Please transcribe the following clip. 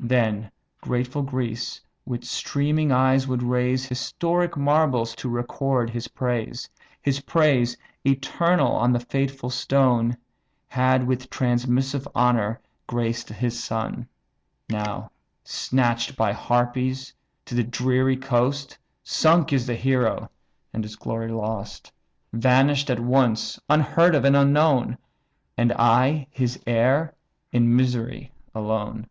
Then grateful Greece with streaming eyes would raise, Historic marbles to record his praise; His praise, eternal on the faithful stone, Had with transmissive honour graced his son. Now snatch'd by harpies to the dreary coast. Sunk is the hero, and his glory lost; Vanish'd at once! unheard of, and unknown! And I his heir in misery alone.